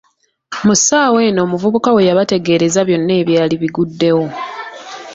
Mu ssaawa eno omuvubuka we yabategeereza byonna ebyali biguddewo.